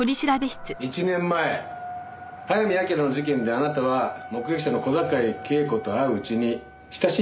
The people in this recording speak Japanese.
１年前早見明の事件であなたは目撃者の小坂井恵子と会ううちに親しい関係になった。